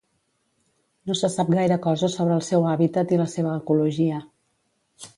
No se sap gaire cosa sobre el seu hàbitat i la seva ecologia.